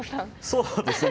そうですね